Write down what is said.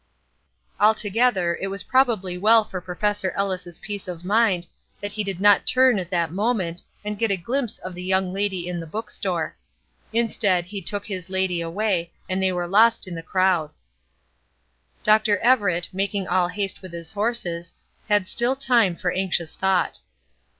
Altogether it was probably well for Professor Ellis' peace of mind that he did not turn at that moment, and get a glimpse of the young lady in the bookstore. Instead he took his lady away, and they were lost in the crowd. Dr. Everett, making all haste with his horses, had still time for anxious thought.